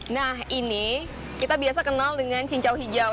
nah ini kita biasa kenal dengan cincau hijau